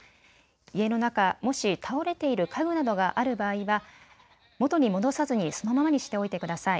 家の中、もし倒れている家具などがある場合は、元に戻さずにそのままにしておいてください。